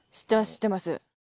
知ってます。